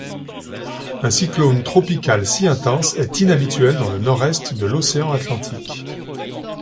Un cyclone tropical si intense est inhabituel dans le nord-est de l'océan Atlantique.